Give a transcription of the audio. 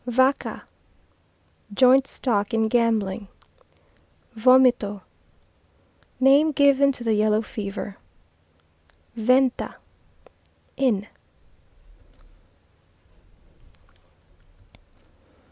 Vaca Joint stock in gambling. Vomito Name given to the yellow fever. Venta Inn.